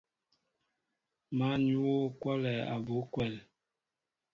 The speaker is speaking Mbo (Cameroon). Măn yu a kolɛɛ abú kwɛl.